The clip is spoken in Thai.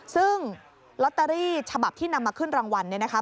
ซึ่งลอตเตอรี่ฉบับที่นำมาขึ้นรางวัลเนี่ยนะคะ